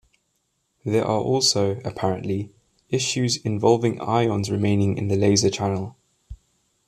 There are also, apparently, issues involving ions remaining in the laser channel.